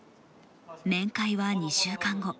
面会は２週間後。